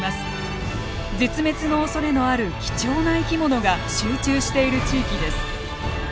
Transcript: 絶滅のおそれのある貴重な生き物が集中している地域です。